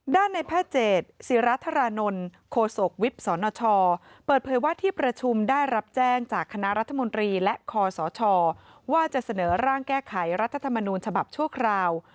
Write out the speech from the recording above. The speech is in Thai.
ด้านในแพทย์เจตศิราธรานนท์โคศกวิบสนชเปิดเผยว่าที่ประชุมได้รับแจ้งจากคณะรัฐมนตรีและคอสชว่าจะเสนอร่างแก้ไขรัฐธรรมนูญฉบับชั่วคราว